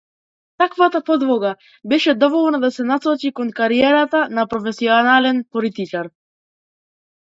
Таквата подлога беше доволна да се насочи кон кариерата професионален политичар.